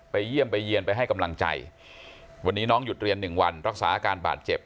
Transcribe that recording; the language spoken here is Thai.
เยี่ยมไปเยี่ยนไปให้กำลังใจวันนี้น้องหยุดเรียน๑วันรักษาอาการบาดเจ็บ